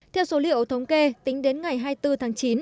theo số liệu thống kê tính đến ngày hai mươi bốn tháng chín